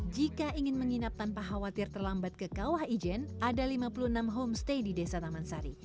jika ingin menginap tanpa khawatir terlambat ke kawah ijen ada lima puluh enam homestay di desa taman sari